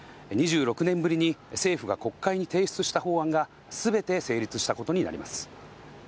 ２６年ぶりに政府が国会に提出した法案が、すべて成立したことになります。